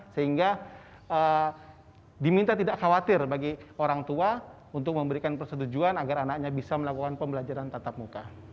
sehingga diminta tidak khawatir bagi orang tua untuk memberikan persetujuan agar anaknya bisa melakukan pembelajaran tatap muka